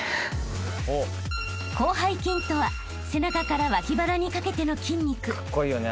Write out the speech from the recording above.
［広背筋とは背中から脇腹にかけての筋肉］